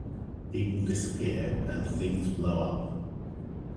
People disappear and things blow up.